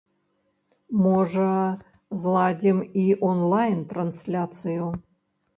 Можа, зладзім і он-лайн трансляцыю.